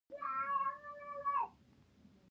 مورغاب سیند د افغانستان د جغرافیې یوه بېلګه ده.